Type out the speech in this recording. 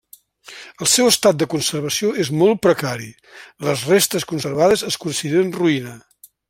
El seu estat de conservació és molt precari; les restes conservades es consideren ruïna.